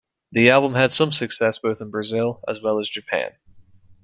The album had some success both in Brazil as well as Japan.